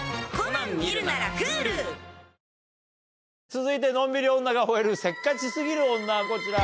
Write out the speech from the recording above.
続いてのんびり女が吠えるせっかち過ぎる女はこちら。